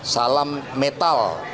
salam metal merah total itu dilambangkan